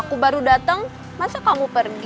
aku baru datang masa kamu pergi